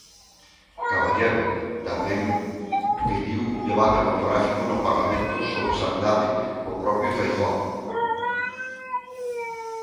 Caballero tamén pediu un debate monográfico no Parlamento sobre sanidade co propio Feijóo.